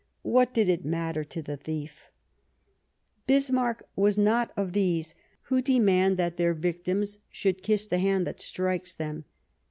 What did it matter to the thief ? Bismarck was not of those who demand that their victims should kiss the hand that strikes them.